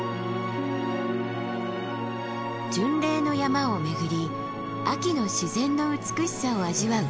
巡礼の山を巡り秋の自然の美しさを味わう